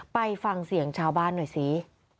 ไปฟังเสียงชาวบ้านหน่อยสิ